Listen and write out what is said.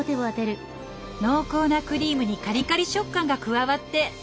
濃厚なクリームにカリカリ食感が加わって絶品ね！